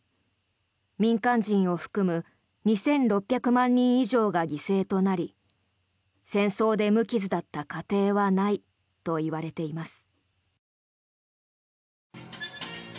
民間人を含む２６００万人以上が犠牲となり戦争で無傷だった家庭はないといわれています。